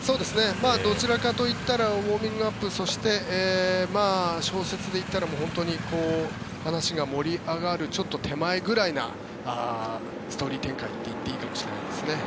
どちらかといったらウォーミングアップそして、小説でいったら話が盛り上がるちょっと手前ぐらいのストーリー展開と言っていいかもしれませんね。